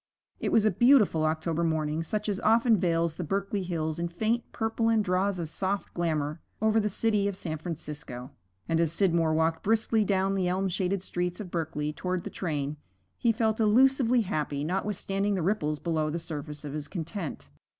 It was a beautiful October morning such as often veils the Berkeley hills in faint purple and draws a soft glamour over the city of San Francisco; and as Scidmore walked briskly down the elm shaded streets of Berkeley toward the train, he felt elusively happy, notwithstanding the ripples below the surface of his content.